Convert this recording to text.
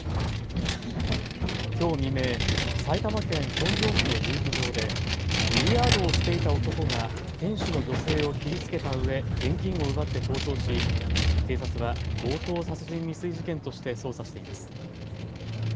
きょう未明、埼玉県本庄市の遊技場でビリヤードをしていた男が店主の女性を切りつけたうえ現金を奪って逃走し警察は強盗殺人未遂事件として捜査しています。